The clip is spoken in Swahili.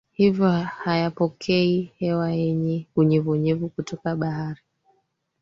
hivyo hayapokei hewa yenye unyevunyevu kutoka bahari